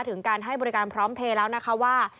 ถึงการให้บริการพร้อมเพลย์แล้วนะคะว่า